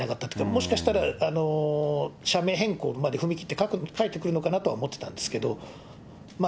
もしかしたら社名変更まで踏み切って書いてくるのかなとは思ってたんですけど。